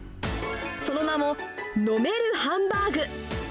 その名も、飲めるハンバーグ。